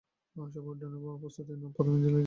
সবাই, উড্ডয়নের প্রস্তুতী নাও, প্রথমে ইঞ্জিনের যাচাই করো।